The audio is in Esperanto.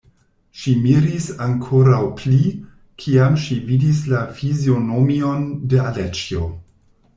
Ŝi miris ankoraŭ pli, kiam ŝi vidis la fizionomion de Aleĉjo.